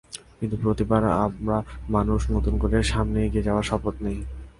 কিন্তু প্রতিবারই আমরা মানুষ নতুন করে সামনে এগিয়ে যাওয়ার শপথ নিই।